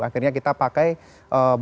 akhirnya kita pakai beberapa